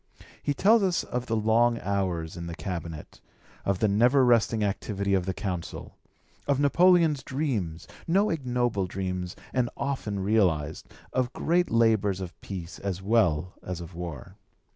He tells us of the long hours in the Cabinet, of the never resting activity of the Consul, of Napoleon's dreams, no ignoble dreams and often realised, of great labours of peace as well as of war.